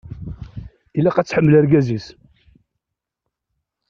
Ilaq ad tḥemmel argaz-is.